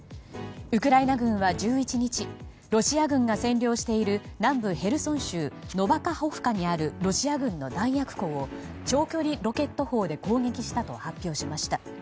ウクライナ軍は１１日ロシア軍が占領している南部ヘルソン州ノバカホフカにあるロシア軍の弾薬庫を長距離ロケット砲で攻撃したと発表しました。